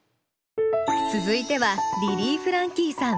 続いてはリリー・フランキーさん。